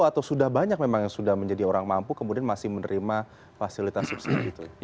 atau sudah banyak memang yang sudah menjadi orang mampu kemudian masih menerima fasilitas subsidi itu